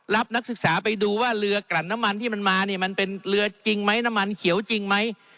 นักศึกษาไปดูว่าเรือกลั่นน้ำมันที่มันมาเนี่ยมันเป็นเรือจริงไหมน้ำมันเขียวจริงไหม